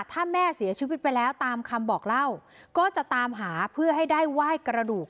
ถ้าแม่เสียชีวิตไปแล้วตามคำบอกเล่าก็จะตามหาเพื่อให้ได้ไหว้กระดูก